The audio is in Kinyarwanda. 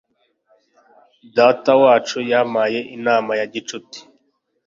Datawacu yampaye inama ya gicuti.